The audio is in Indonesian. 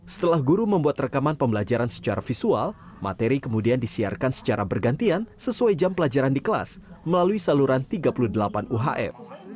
setelah guru membuat rekaman pembelajaran secara visual materi kemudian disiarkan secara bergantian sesuai jam pelajaran di kelas melalui saluran tiga puluh delapan uhf